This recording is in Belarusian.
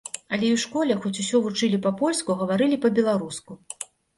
Але і ў школе, хоць усё вучылі па-польску, гаварылі па-беларуску.